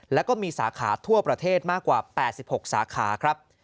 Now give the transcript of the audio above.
แล้วก็มีสาขาทั่วประเทศมากกว่า๘๖สาขาครับ